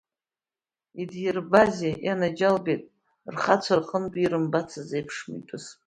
Идирбазеи, ианаџьалбеит, рхацәа рҟынтәи ирымбацыз еиԥш митәыс?